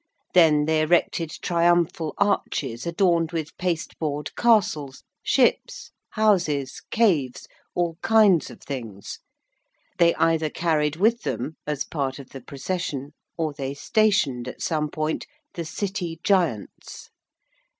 Then they erected triumphal arches adorned with pasteboard castles, ships, houses, caves all kinds of things. They either carried with them, as part of the procession, or they stationed at some point, the City Giants.